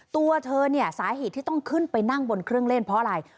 ตัวเธอเนี่ยสาเหตุที่ต้องขึ้นไปนั่งบนเครื่องเล่นเพราะอะไร